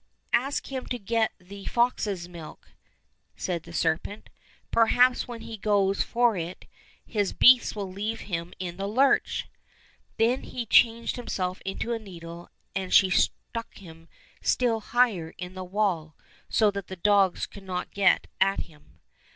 —" Ask him to get thee fox's milk !" said the serpent ;" perhaps when he goes for it his beasts will leave him in the lurch !" Then he changed himself into a needle, and she stuck him still higher in the wall, so that the dogs could not get at him.